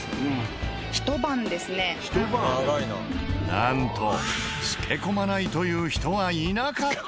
なんと漬け込まないという人はいなかった！